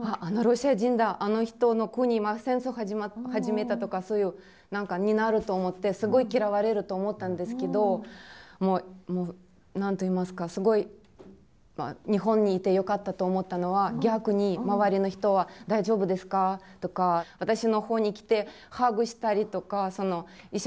あの人の国戦争始めた」とかそういう何かになると思ってすごい嫌われると思ったんですけどもう何と言いますかすごい日本にいてよかったと思ったのは逆に周りの人は「大丈夫ですか？」とか私のほうに来てハグしたりとか一緒に泣いたり街なか。